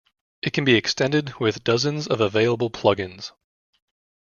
It can be extended with dozens of available plugins.